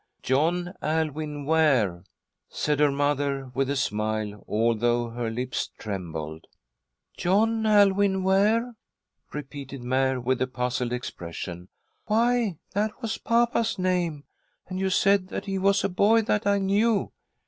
"John Alwyn Ware," said her mother, with a smile, although her lips trembled. "John Alwyn Ware," repeated Mary, with a puzzled expression. "Why, that was papa's name, and you said that he was a boy that I knew."